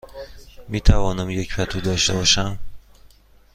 می توانم یک پتو داشته باشم؟